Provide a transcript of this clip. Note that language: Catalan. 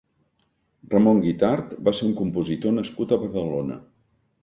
Ramon Guitart va ser un compositor nascut a Badalona.